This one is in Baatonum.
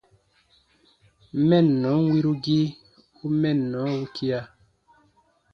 Mɛnnɔn wirugii u mɛnnɔ wukia.